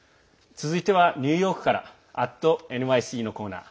続いてはニューヨークから「＠ｎｙｃ」コーナー。